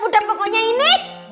udah pokoknya ini